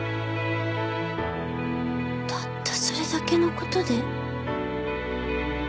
たったそれだけの事で？